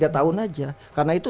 tiga tahun aja karena itu